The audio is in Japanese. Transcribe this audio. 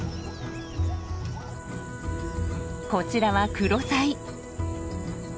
こちらはクロサイ。